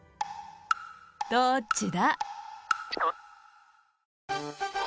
どっちだ？